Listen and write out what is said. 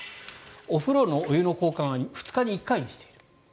お風呂のお湯の交換を２日に１回にしている。